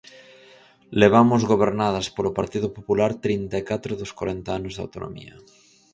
Levamos gobernadas polo Partido Popular trinta e catro dos corenta anos da autonomía.